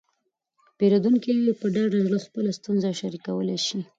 پیرودونکي په ډاډه زړه خپله ستونزه شریکولی شي.